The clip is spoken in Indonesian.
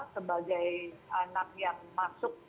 sebagai anak yang masuk